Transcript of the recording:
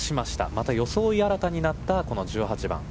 また装い新たになったこの１８番。